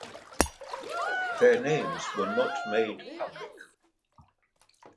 Their names were not made public.